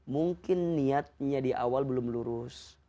mungkin niatnya di awal belum lurus